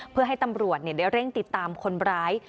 เพื่อให้ตำรวจได้เร่งติดตามคนร้าย